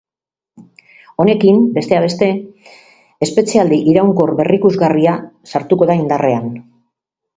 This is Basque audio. Honekin, besteak beste, espetxealdi iraunkor berrikusgarria sartuko da indarrean.